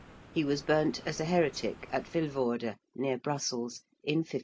He was burnt as a heretic at Vilvoorde, near Brussels, in 1536.